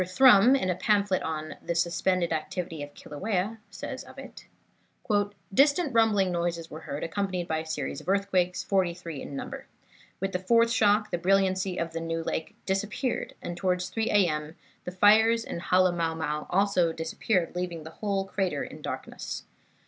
Thrum, in a pamphlet on "The Suspended Activity of Kilauea," says of it: "Distant rumbling noises were heard, accompanied by a series of earthquakes, forty three in number. With the fourth shock the brilliancy of New Lake disappeared, and towards 3 A. M. the fires in Halemaumau disappeared also, leaving the whole crater in darkness.